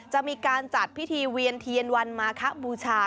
จะมีการจัดพิธีเวียนเทียนวันมาคบูชา